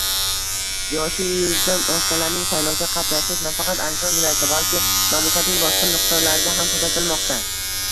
Yoshi yuzdan oshganlarning saylovda qatnashishi nafaqat Andijon viloyatida, balki mamlakatning boshqa nuqtalarida ham kuzatilmoqda